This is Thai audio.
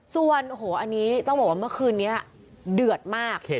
ส่วนโอ้โหอันนี้ต้องบอกว่าเมื่อคืนนี้เดือดมาก